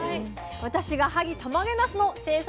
私が萩たまげなすの生産